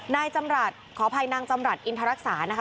นายจำรัฐขออภัยนางจำรัฐอินทรรักษานะคะ